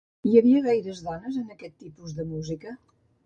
Hi havia gaires dones en aquest tipus de música?